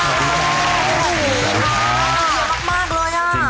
เยอะมากเลยอ่ะ